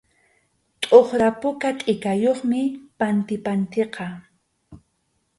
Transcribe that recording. Tʼuqra puka tʼikayuqmi pantipantiqa.